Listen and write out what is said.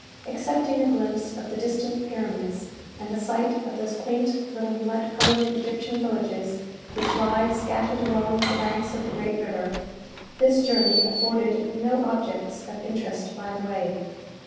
Excepting a glimpse of the distant pyramids, and the sight of those quaint little mud coloured Egyptian villages which lie scattered along the banks of the great river, this journey afforded no objects of interest by the way.